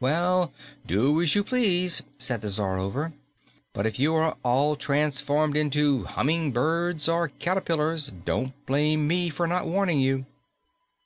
"Well, do as you please," said the Czarover, "but if you are all transformed into hummingbirds or caterpillars, don't blame me for not warning you."